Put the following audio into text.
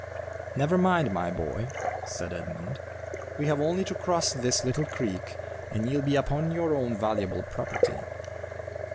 "Never mind, my boy," said Edmund, "we have only to cross this little creek, and ye'll be upon your own valuable property."